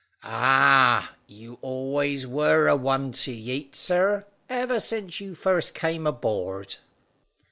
"Ah, you always were a one to yeat, sir, ever since you first came aboard."